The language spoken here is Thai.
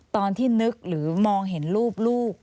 ตอนที่นึกหรือมองเห็นรูปลูก